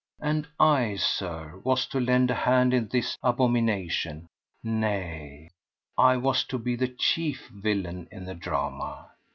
And I, Sir, was to lend a hand in this abomination!—nay, I was to be the chief villain in the drama!